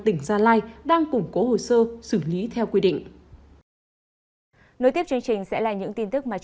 tỉnh gia lai đang củng cố hồ sơ xử lý theo quy định nối tiếp chương trình sẽ là những tin tức